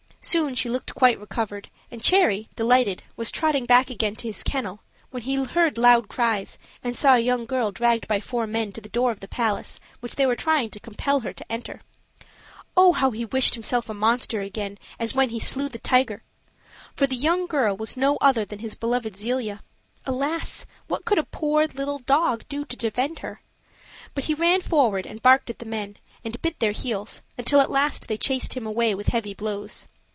Soon she looked quite recovered, and Cherry, delighted, was trotting back again to his kennel, when he heard loud cries, and saw a young girl dragged by four men to the door of the palace, which they were trying to compel her to enter. Oh, how he wished himself a monster again, as when he slew the tiger! for the young girl was no other than his beloved Zelia. Alas! what could a poor little dog do to defend her? But he ran forward and barked at the men, and bit their heels, until at last they chased him away with heavy blows.